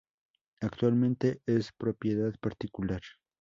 Actualmente es propiedad particular.